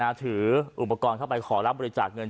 ถืออุปกรณ์เข้าไปขอรับบริจาคเงิน